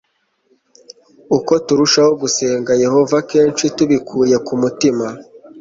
Uko turushaho gusenga Yehova kenshi tubikuye ku mutima